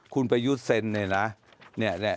คุณประยุทธ์เซ็นเนี่ยนะ